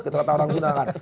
kata orang sunda kan